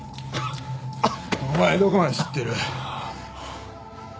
お前どこまで知ってる？